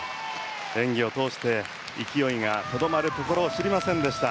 演技をとおして勢いがとどまることを知りませんでした。